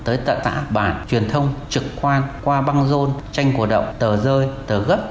tới tận bản truyền thông trực quan qua băng rôn tranh cổ động tờ rơi tờ gấp